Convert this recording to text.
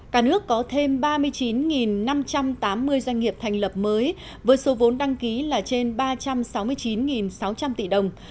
cả nước có thêm ba mươi chín năm trăm tám mươi doanh nghiệp thành lập mới với số vốn đăng ký là trên ba trăm sáu mươi chín sáu trăm linh tỷ đồng